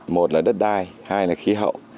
một là đất đai hai là khí hậu